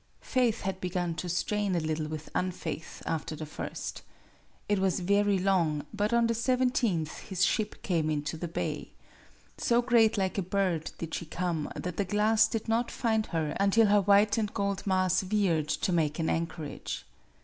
Faith had begun to strain a little with unfaith, after the first. It was very long; but on the seventeenth his ship came into the bay. So like a great bird did she come that the glass did not find her until her white and gold mass veered to make an anchorage.